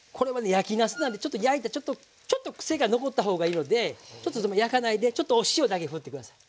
焼きなすなんでちょっと焼いてちょっとクセが残った方がいいのでちょっとでも焼かないでちょっとお塩だけふって下さい。